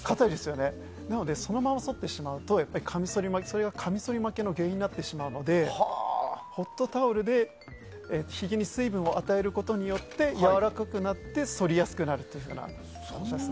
なので、そのままそってしまうとそれがカミソリ負けの原因になってしまうのでホットタオルでひげに水分を与えることによってやわらかくなってそりやすくなると。